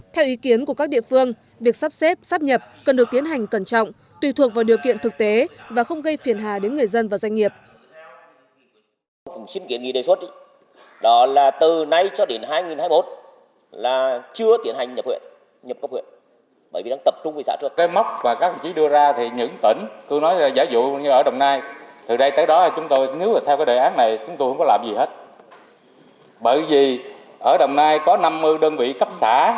theo ý kiến của các địa phương việc sắp xếp sắp nhập cần được tiến hành cẩn trọng tùy thuộc vào điều kiện thực tế và không gây phiền hà đến người dân và doanh nghiệp